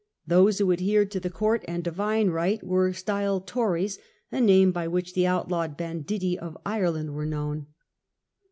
Those who adhered to the Court and Divine Right were styled "Tories", a name by which the outlawed banditti of Ireland were known.